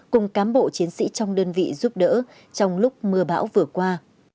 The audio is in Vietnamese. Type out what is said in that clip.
cùng cám bộ chiến sĩ trong đơn vị giúp đỡ trong lúc mưa bão vừa qua